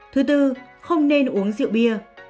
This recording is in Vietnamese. thứ bốn không nên uống rượu bia